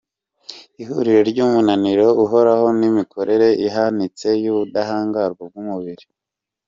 ihuriro ry’umunaniro uhoraho n’imikorere ihanitse y’ubudahangarwa bw’umubiri